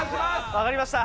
分かりました。